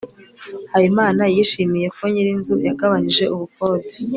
habimana yishimiye ko nyir'inzu yagabanije ubukode